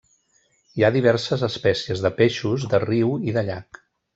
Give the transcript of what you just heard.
Hi ha diverses espècies de peixos de riu i de llac.